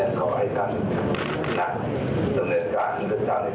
สำเนิดการ